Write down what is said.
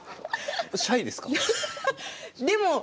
シャイですか？